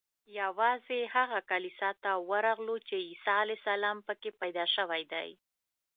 یوازې هغه کلیسا ته ورغلو چې عیسی علیه السلام په کې پیدا شوی دی.